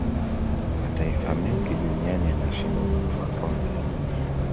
mataifa mengi duniani yanashindwa kutwaa kombe la dunia